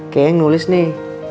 kayaknya yang nulis nih